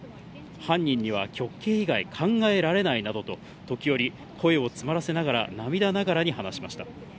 犯人には極刑以外考えられないなどと、時折、声を詰まらせながら涙ながらに話しました。